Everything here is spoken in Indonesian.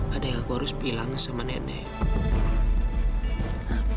ada yang aku harus bilang sama nenek